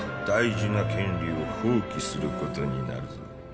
大事な権利を放棄することになるぞ